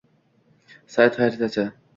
Sayt xaritasi